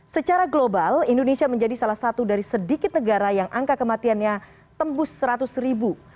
secara global indonesia menjadi salah satu dari sedikit negara yang angka kematiannya tembus seratus ribu